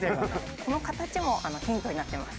この形もヒントになっています。